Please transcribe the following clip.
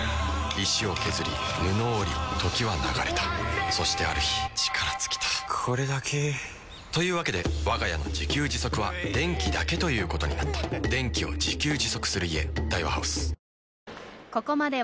石を削り布を織り時は流れたそしてある日力尽きたこれだけ。というわけでわが家の自給自足は電気だけということになった電気を自給自足する家。